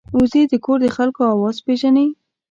وزې د کور د خلکو آواز پېژني